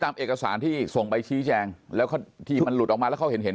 ตามเอกสารที่ส่งไปชี้แจงแล้วที่มันหลุดออกมาแล้วเขาเห็นเห็น